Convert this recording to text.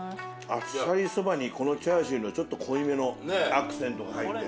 あっさりそばにこのチャーシューのちょっと濃いめのアクセントが入って。